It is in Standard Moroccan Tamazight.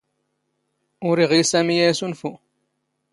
ⵓⵔ ⵉⵖⵉⵢ ⵙⴰⵎⵉ ⴰⴷ ⵉⵙⵓⵏⴼⵓⵙ.